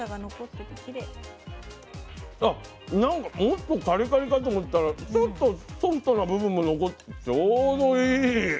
あなんかもっとカリカリかと思ったらちょっとソフトな部分も残ってちょうどいい。